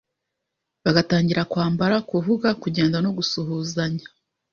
batangira kwambara, kuvuga, kugenda no gusuhuzanya,